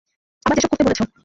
যেসব আমায় করতে বলেছো।